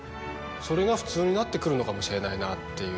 になってくるのかもしれないなっていう。